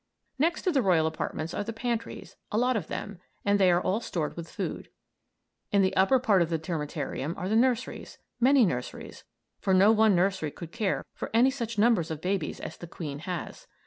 Next to the royal apartments are the pantries, a lot of them, and they are all stored with food. In the upper part of the termitarium are the nurseries many nurseries for no one nursery could care for any such numbers of babies as the queen has.